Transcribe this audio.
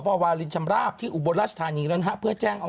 เป็นผู้ชายคนเดียวที่เหมือนเจ้าของวัดนะ